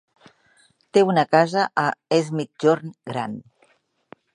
Té una casa a Es Migjorn Gran.